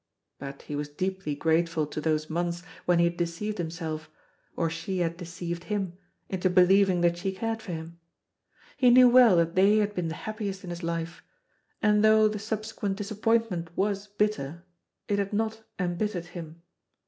But he was deeply grateful to those months when he had deceived himself, or she had deceived him, into believing that she cared for him. He knew well that they had been the happiest in his life, and though the subsequent disappointment was bitter, it had not embittered him.